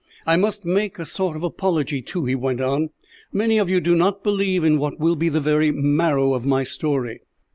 "I must make a sort of apology, too," he went on. "Many of you do not believe in what will be the very marrow of my story."